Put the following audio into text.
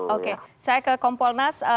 oke saya ke kompolnas